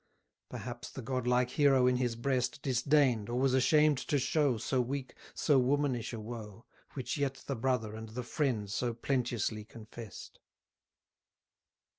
Perhaps the godlike hero in his breast Disdain'd, or was ashamed to show, So weak, so womanish a woe, Which yet the brother and the friend so plenteously confess'd.